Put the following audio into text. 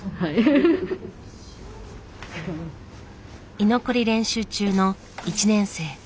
居残り練習中の１年生。